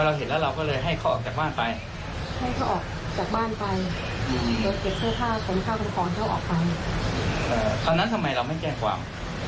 ถ้ามันได้มาหาน้องแบบนี้ก็ได้ตัดพิจารย์แจ้งความ